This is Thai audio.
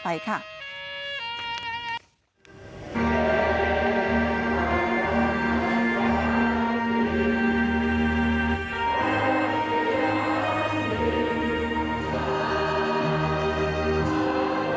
เพลงที่๑๐ทรงโปรด